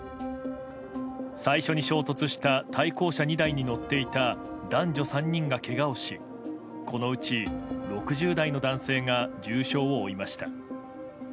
最初に衝突した対向車２台に乗っていた男女３人がけがをしこのうち６０代の男性が重傷を負いました。